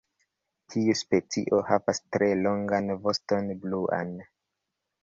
Tiu specio havas tre longan voston bluan.